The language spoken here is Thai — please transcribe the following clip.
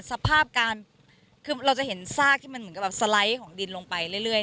สภาพการคือเราจะเห็นซากที่มันเหมือนกับแบบสไลด์ของดินลงไปเรื่อย